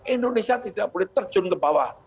indonesia tidak boleh terjun ke bawah